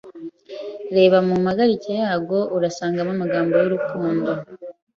Reba mu mpagarike yarwo urasngamo amagambo yurukundo.